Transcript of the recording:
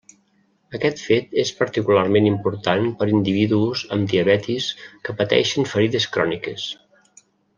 Aquest fet és particularment important per individus amb diabetis que pateixen ferides cròniques.